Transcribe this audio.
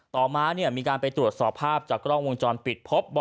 ต่อมามีการไปตรวจสอบภาพจากกล้องวงจรปิดพบ